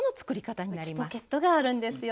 内ポケットがあるんですよ。